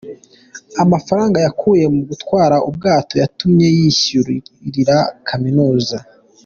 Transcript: Amafaranga yakuye mu gutwara ubwato yatumye yiyishyurira Kaminuza.